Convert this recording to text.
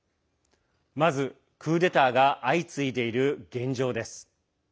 まず、クーデターが相次いでいる現状です。